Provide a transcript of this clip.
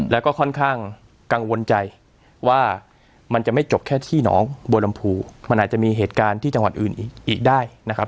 แล้วก็ค่อนข้างกังวลใจว่ามันจะไม่จบแค่ที่หนองบัวลำพูมันอาจจะมีเหตุการณ์ที่จังหวัดอื่นอีกได้นะครับ